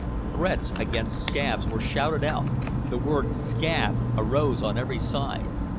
Threats against "scabs" were shouted out, the word "scab" arose on every side.